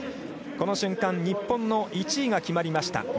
この瞬間、日本の１位が決まりました。